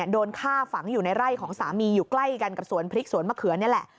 โดนฆ่าฝังอยู่ในไร่ของสามีอยู่ใกล้กันกับสวนพริกสวนมะเขือนี่แหละ